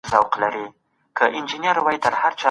د نوو طريقو په کارولو سره به توليد زيات سوی وي.